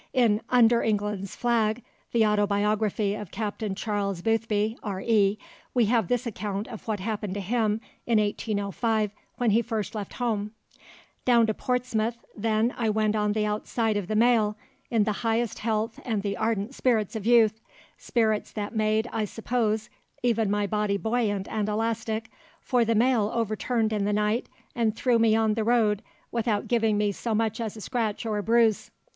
In Under England's Flag, the autobiography of Captain Charles Boothby, R.E., we have this account of what happened to him in 1805 when he first left home— "Down to Portsmouth then I went on the outside of the mail, in the highest health and the ardent spirits of youth, spirits that made, I suppose, even my body buoyant and elastic, for the Mail overturned in the night and threw me on the road without giving me so much as a scratch or a bruise.